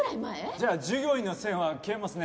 じゃあ従業員の線は消えますね。